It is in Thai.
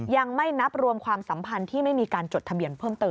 ยังไม่นับรวมความสัมพันธ์ที่ไม่มีการจดทะเบียนเพิ่มเติม